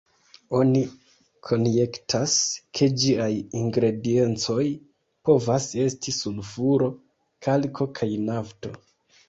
Oni konjektas, ke ĝiaj ingrediencoj povas esti sulfuro, kalko kaj nafto.